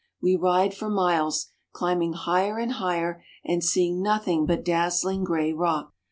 We ride for miles, climbing higher and higher, and seeing nothing but dazzling gray rock.